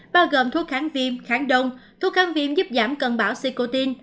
bao gồm thuốc kháng viêm kháng đông thuốc kháng viêm giúp giảm cân bảo sicoin